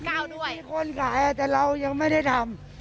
คิดว่าปีนี้มันก็มีโคมิตสิบเก้าด้วยมีคนขายอ่ะแต่เรายังไม่ได้ทำ